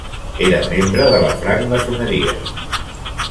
Era membre de la francmaçoneria.